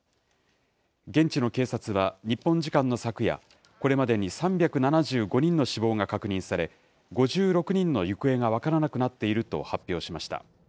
現地の警察は日本時間の昨夜、これまでに３７５人の死亡が確認され、５６人の行方が分からなくなっていると発表しました。